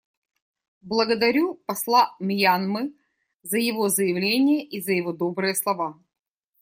Благодарю посла Мьянмы за его заявление и за его добрые слова.